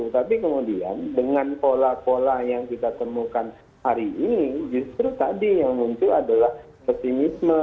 tapi kemudian dengan pola pola yang kita temukan hari ini justru tadi yang muncul adalah pesimisme